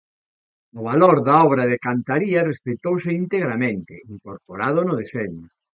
O valor da obra de cantaría respectouse integramente, incorporado no deseño.